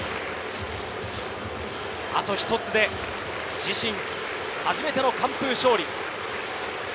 あと１つで自身初めての完封勝利。